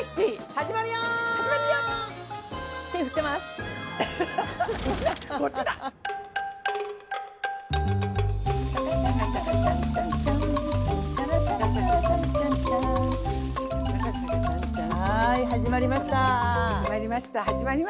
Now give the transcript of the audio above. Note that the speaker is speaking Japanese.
始まりました始まりました。